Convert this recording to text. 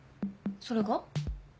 それが？